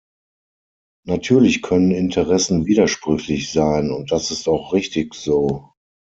Natürlich können Interessen widersprüchlich sein, und das ist auch richtig so.